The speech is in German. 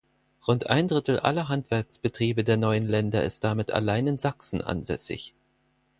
Rund ein Drittel aller Handwerksbetriebe der neuen Länder ist damit allein in Sachsen ansässig.